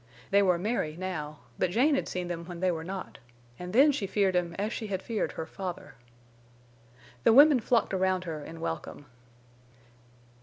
They were merry now; but Jane had seen them when they were not, and then she feared him as she had feared her father. The women flocked around her in welcome.